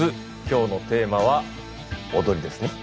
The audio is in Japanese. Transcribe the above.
今日のテーマは「踊り」ですね。